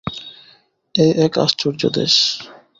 এ এক আশ্চর্য দেশ।